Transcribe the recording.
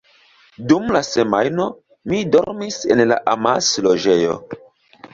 Dum la semajno, mi dormis en la “amas-loĝejo”.